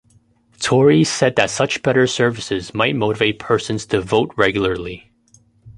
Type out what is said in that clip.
Torres said that such better services might motivate persons to vote regularly.